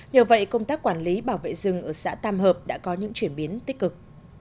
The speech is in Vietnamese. nhờ vậy công tác quản lý bảo vệ rừng ở xã tam hợp đã có những chuyển biến tích cực